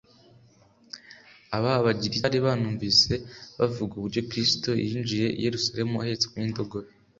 Aba bagiriki bari banunvise bavuga uburyo Kristo yinjiye i Yerusalemu, ahetswe n'indogobe.